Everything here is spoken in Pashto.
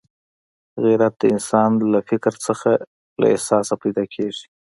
غیرت د انسان له فکره نه، له احساسه پیدا کېږي